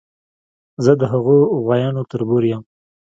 زه د هغو غوایانو تربور یم.